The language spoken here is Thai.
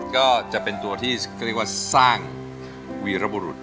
ก็จะเป็นตัวที่เขาเรียกว่าสร้างวีรบุรุษ